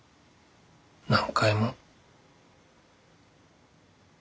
何回も。